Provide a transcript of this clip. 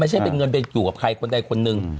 ไม่ใช่เป็นเงินไปอยู่กับใครคนใดคนหนึ่ง